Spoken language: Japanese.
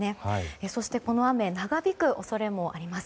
そして、この雨長引く恐れもあります。